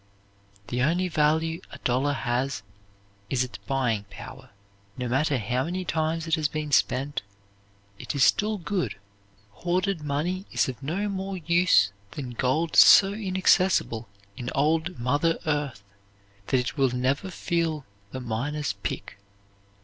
The only value a dollar has is its buying power. "No matter how many times it has been spent, it is still good." Hoarded money is of no more use than gold so inaccessible in old Mother Earth that it will never feel the miner's pick.